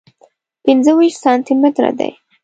پنځه ویشت سانتي متره دی.